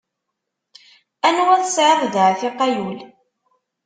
Anwa tesɛiḍ d aɛtiq ay ul!